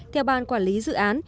theo bàn quản lý dự án